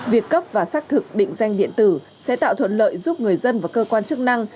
việc cấp và xác thực định danh điện tử sẽ tạo thuận lợi giúp người dân và cơ quan chức năng